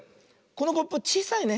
このコップちいさいね。